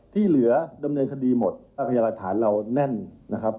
ที่เหลือดำเนินคดีหมดพยายามหลักฐานเราแน่นนะครับ